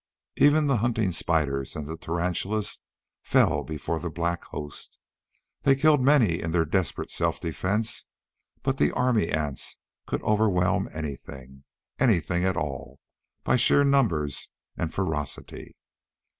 Even the hunting spiders and tarantulas fell before the black host. They killed many in their desperate self defense, but the army ants could overwhelm anything anything at all by sheer numbers and ferocity.